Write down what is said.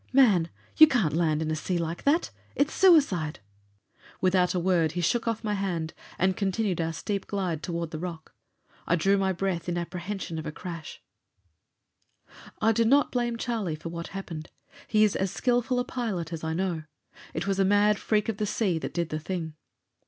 "Man, you can't land in a sea like that! It's suicide!" Without a word, he shook off my hand and continued our steep glide toward the rock. I drew my breath in apprehension of a crash. I do not blame Charlie for what happened. He is as skilful a pilot as I know. It was a mad freak of the sea that did the thing.